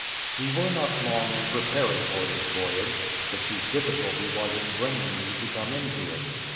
We were not long in preparing for this voyage; the chief difficulty was in bringing me to come into it.